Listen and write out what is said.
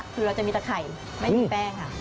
คือเราจะมีแต่ไข่ไม่มีแป้งค่ะ